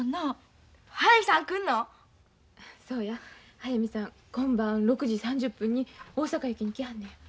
速水さん今晩６時３０分に大阪駅に来はんねや。